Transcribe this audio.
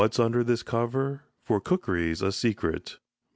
"What's under this cover? For cookery's a secret."